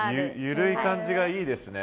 緩い感じがいいですね。